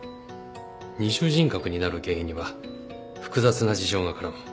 二重人格になる原因には複雑な事情が絡む。